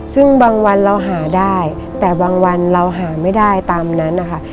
ซึ่งบางวันเราหาได้แต่บางวันเราหาไม่ได้ตามนั้นนะคะ